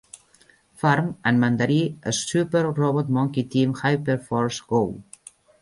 Farm", en mandarí a "Super Robot Monkey Team Hyperforce Go!